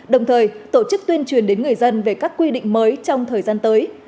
đồng thời tổ chức tuyên truyền đến người dân về các quy định mới trong thời gian tới